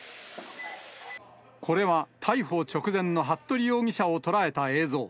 これは逮捕直前の服部容疑者を捉えた映像。